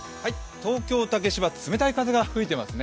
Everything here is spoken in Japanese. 東京・竹芝、冷たい風が吹いていますね。